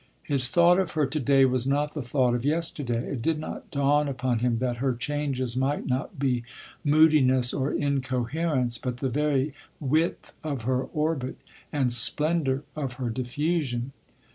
His thought of her to day was not the thought of yesterday. It did not dawn upon him that her changes might not be moodiness or incoherence, but the very width of her orbit and splendour of her diffusion.